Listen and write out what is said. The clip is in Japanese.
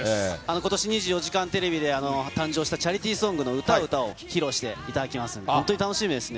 ことし２４時間テレビで誕生したチャリティーソングの歌を歌おうを披露していただきます、本当に楽しみですね。